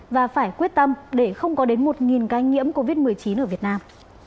và phải quyết tâm để không có đến một ca nhiễm covid một mươi chín ở việt nam